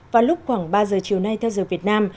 vào lúc khoảng ba giờ chiều nay theo giờ việt nam